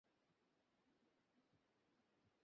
আপনাকে টাকা নিয়ে ভাবতে হবে না, জলি ভাইয়া।